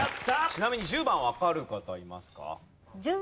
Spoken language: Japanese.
ちなみに１０番わかる方いますか？